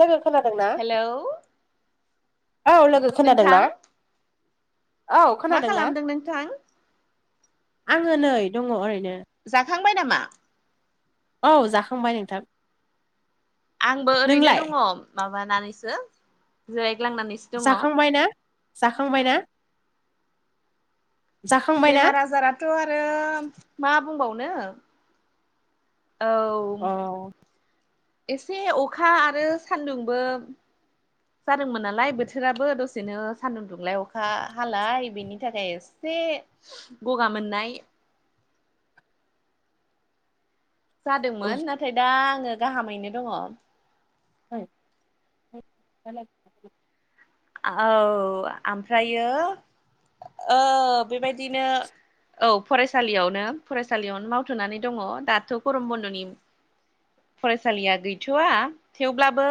लोगो खोनादों ना हेलौ औ लोगो नोंथां खोनादोंना औ मा खोनादोंना खालामदों नोंथां आङो नै दङ ओरैनो। जाखांबाय नामा? औ जाखांबाय नोंथां। आंबो ओरैनो नोंलाय दङ माबानानैसो जिरायग्लांनानैसो। दङ जाखांबाय ना जाखांबाय ना? जाखांबाय ना बेमार आजाराथ आरो मा बुंबावनो औ अ एसे अखा आरो सान्दुंबो जादोंमोन नालाय बोथोराबो दसेनो सान्दुं दुंलाय अखा हालाय बेनि थाखाय एसे गगा मोननाय जादोंमोन नाथाय दा आङो गाहामैनो दङ। [unintelligible] औ आमफ्रायो ओ बेबायदिनो औ फरायसालियावनो फरायसालियावनो मावथ'नानै दङ दाथ' गरम बन्द'नि फरायसालिया गैथ'आ थेवब्लाबो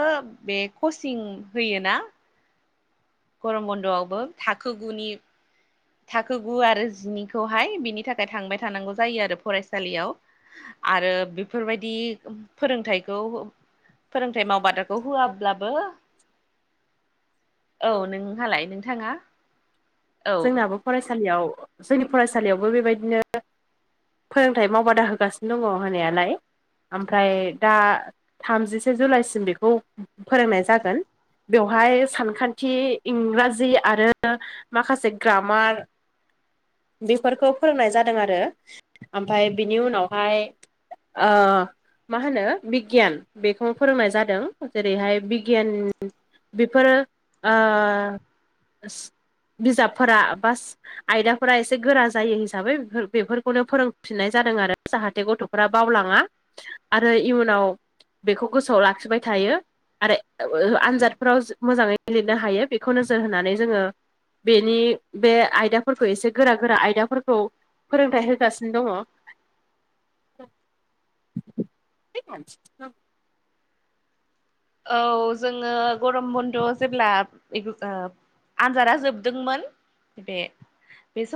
बे कचिं होयोना गरम बन्द'आवबो थाखो गुनि थाखो गु आरो जिनिखौहाय बिनि थाखाय थांबाय थानांगौ जायो आरो फरायसालियाव आरो बेफोरबायदि फोरोंथाइखौ फोरोंथाइ मावबादाखौ होआब्लाबो औ नोंहालाय नों थाङा। जोंनाबो फरायसालियाव जोंनि फरायसालियावबो बेबायदिनो फोरोंथाइ मावबादा होगासिनो दङ होनायालाय। ओमफ्राय दा थामजिसे जुलाइसिम बेखौ फोरोंनाय जागोन बेवहाय सानखान्थि इंराजि आरो माखासे ग्रामार बेफोरखौ फोरोंनाय जादों आरो ओमफाय बिनि उनावहाय आ मा होनो बिगियान बेखौ फोरोंनाय जादों जेरैहाय बिगियान बेफोरो आ स बिजाबफोरा बास आयदाफोरा एसे गोरा जायो हिसाबै बेफोर बेफोरखौनो फोरोंफिननाय जादों आरो जाहाथे गथ'फोरा बावलाङा आरो इयुनाव बेखौ गोसोआव लाखिबाय थायो आरो आनजादफोराव मोजाङै लिरनो हायो बेखौ नोजोर होनानै जोङो बेनि बे आयदाफोरखौ एसे गोरा गोरा आयदाफोरखौ फोरोंथायाइ होगासिनो दङ [unintelligible] औ जोङो गरम बन्द' जेब्ला एग्रुब ओ आनजादा जोबदोंमोन बे बे समाव